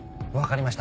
わかりました。